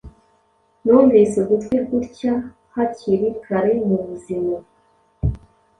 numvise ugutwi gutya hakiri kare mubuzima